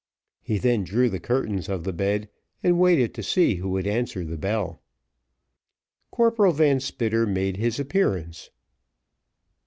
He then drew the curtains of the bed, and waited to see who would answer the bell. Corporal Van Spitter made his appearance.